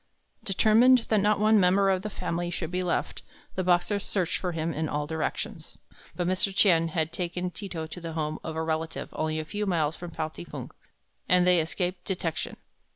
Determined that not one member of the family should be left, the Boxers searched for him in all directions. But Mr. Tien had taken Ti to to the home of a relative only a few miles from Pao ting fu, and they escaped detection.